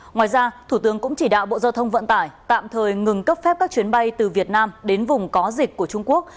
ngoài ra thủ tướng cũng chỉ đạo bộ giao thông vận tải tạm thời ngừng cấp phép các chuyến bay từ việt nam đến vùng có dịch của trung quốc